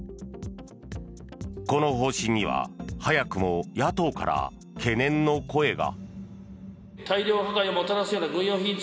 この方針には早くも野党から懸念の声が。